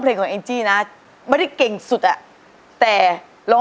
เพราะว่าเพราะว่าเพราะ